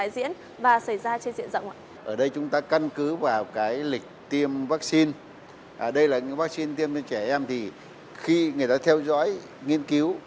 đây là những vaccine tiêm cho trẻ em thì khi người ta theo dõi nghiên cứu